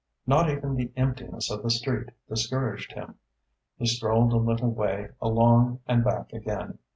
Not even the emptiness of the street discouraged him. He strolled a little way along and back again.